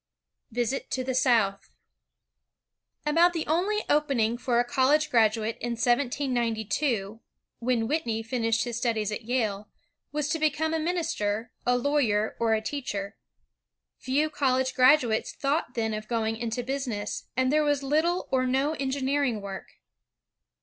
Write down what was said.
Visit to the South About the only opening for a college graduate in 1792, when Whitney finished his studies at Yale, was to become a minister, a lawyer, or a teacher. Few college graduates thought then of going into business, and there was little or no engineering work.